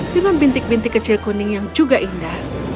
dengan bintik bintik kecil kuning yang juga indah